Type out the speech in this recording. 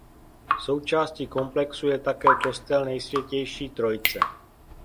Součástí komplexu je také kostel Nejsvětější Trojice.